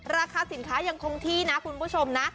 ราคาสินค้ายังคงที่นะคุณผู้ชมนะ